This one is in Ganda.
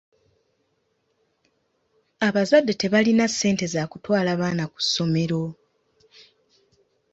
Abazadde tebalina ssente za kutwala baana ku ssomero.